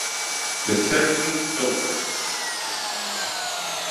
The Sergeant's Daughter